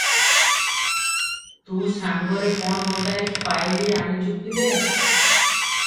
ତୁ ସାଙ୍ଗରେ କଣ ଗୋଟାଏ ପୋଇଲୀ ଆଣିଛୁ କି ଲୋ ।"